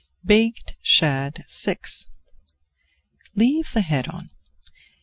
BAKED SHAD VI Leave the head on.